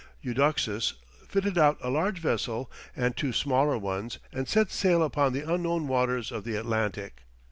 Eudoxus fitted out a large vessel and two smaller ones, and set sail upon the unknown waters of the Atlantic.